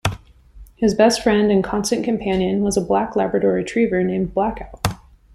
His best friend and constant companion was a black Labrador Retriever named Blackout.